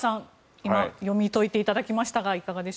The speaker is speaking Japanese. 今読み解いていただきましたが。